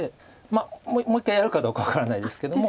まあもう一回やるかどうか分からないですけども。